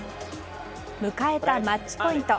迎えたマッチポイント。